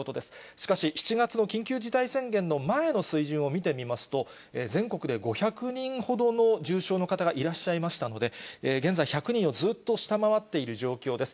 しかし、７月の緊急事態宣言の前の水準を見てみますと、全国で５００人ほどの重症の方がいらっしゃいましたので、現在、１００人をずっと下回っている状況です。